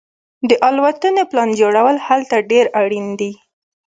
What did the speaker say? د الوتنې پلان جوړول هلته ډیر اړین دي